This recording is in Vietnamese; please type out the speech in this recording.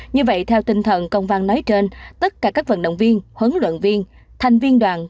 như vậy theo tinh thần công văn nói trên tất cả các vận động viên huấn luyện viên thành viên đoàn